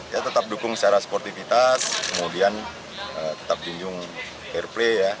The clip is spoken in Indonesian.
ya tetap dukung secara sportifitas kemudian tetap diunjung fair play ya